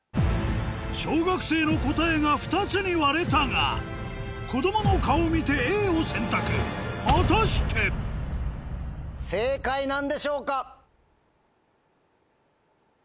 小学生の答えが２つに割れたが子供の顔を見てＡを選択果たして⁉正解なんでしょうか？